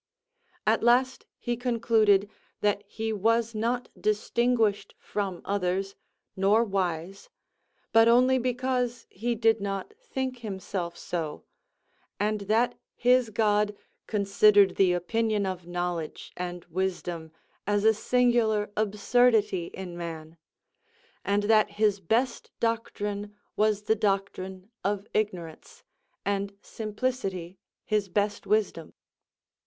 At last he concluded that he was not distinguished from others, nor wise, but only because he did not think himself so; and that his God considered the opinion of knowledge and wisdom as a singular absurdity in man; and that his best doctrine was the doctrine of ignorance, and simplicity his best wisdom.